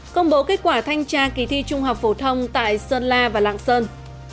công bố kết quả thanh tra kỳ thi trung học phổ thông tại sơn la và lạng sơn